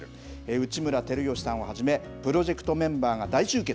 内村光良さんをはじめ、プロジェクトメンバーが大集結。